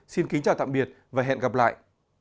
xin kính chào tạm biệt và hẹn gặp lại